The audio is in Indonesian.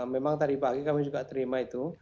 memang tadi pagi kami juga terima itu